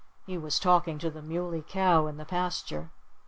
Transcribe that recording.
He was talking to the Muley Cow, in the pasture.